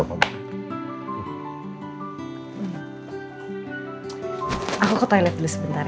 aku ke toilet dulu sebentar